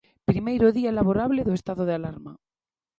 Primeiro día laborable do estado de alarma.